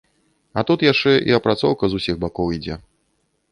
А тут яшчэ і апрацоўка з усіх бакоў ідзе.